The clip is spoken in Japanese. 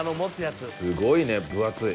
すごいね分厚い。